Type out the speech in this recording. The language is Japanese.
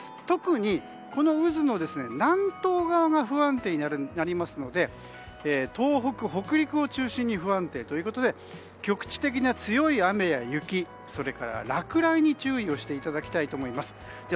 特に、この渦の南東側が不安定になりますので東北、北陸を中心に不安定ということで局地的な強い雨や雪、落雷に注意していただきたいと思います。